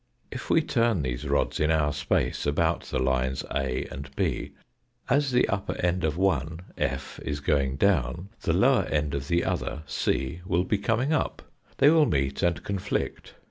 THE HIGHER WORLD 7] turn these rods in our space about the lines A and B, as the upper end of one, F, is going down, the lower end of the other, c, will be coming up. They will meet and conflict.